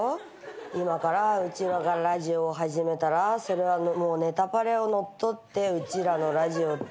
「今からうちらがラジオを始めたらそれはもう『ネタパレ』を乗っ取ってうちらのラジオ」